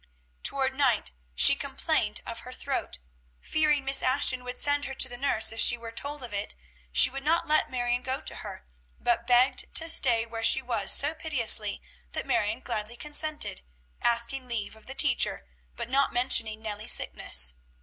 Toward night she complained of her throat; fearing Miss Ashton would send her to the nurse if she were told of it, she would not let Marion go to her, but begged to stay where she was so piteously that Marion gladly consented, asking leave of the teacher, but not mentioning Nellie's sickness.